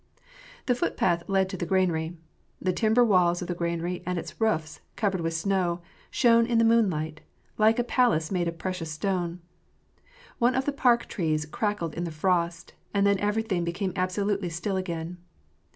The footpath led to the granary. The timber walls of the granaiy and its roofs covered with snow, shone in the moon light like a palace made of precious stone. One of the park trees cracked in the frost, and then everything became abso lutely still again.